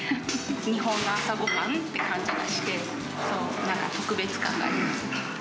日本の朝ごはんって感じがして、なんか特別感があります。